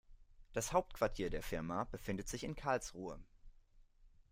Das Hauptquartier der Firma befindet sich in Karlsruhe